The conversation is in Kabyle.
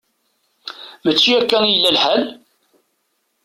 Mačči akka i yella lḥal?